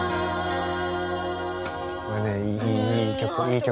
これねいいいい曲。